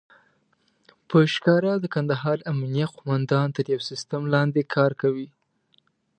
په ښکاره د کندهار امنيه قوماندان تر يو سيستم لاندې کار کوي.